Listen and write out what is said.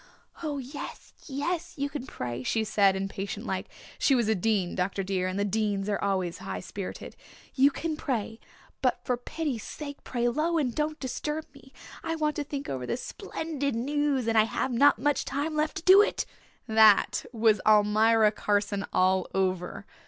'Oh yes, yes, you can pray,' she said impatient like she was a Dean, Dr. dear, and the Deans were always high spirited 'you can pray, but for pity's sake pray low and don't disturb me. I want to think over this splendid news and I have not much time left to do it.' That was Almira Carson all over.